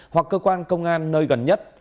hoặc cơ quan công an nơi gần nhất